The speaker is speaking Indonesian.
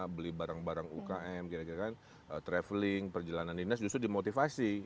beli barang barang ukm traveling perjalanan indes justru dimotivasi